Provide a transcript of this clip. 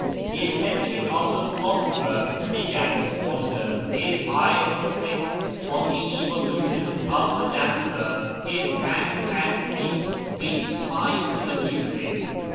The attention of the philosopher began to wander ; his eyes were fixed on the evolntions of the dancer ; his hands and feet beat time to the music.